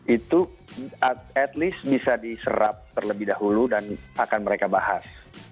itu at least bisa diserap terlebih dahulu dan akan mereka bahas